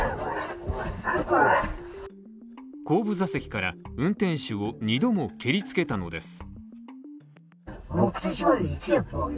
後部座席から運転手を２度も蹴りつけたのです。